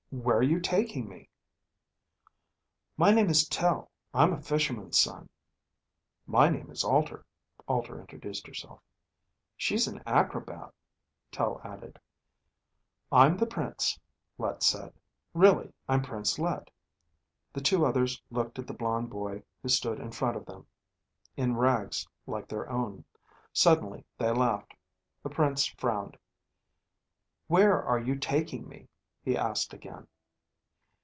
"Where are you taking me?" "My name is Tel. I'm a fisherman's son." "My name is Alter," Alter introduced herself. "She's an acrobat," Tel added. "I'm the Prince," Let said. "Really. I'm Prince Let." The two others looked at the blond boy who stood in front of them in rags like their own. Suddenly they laughed. The Prince frowned. "Where are you taking me?" he asked again.